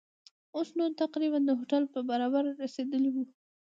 اوس نو تقریباً د هوټل پر برابري رسېدلي وو.